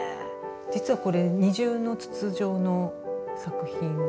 実はこれ二重の筒状の作品で。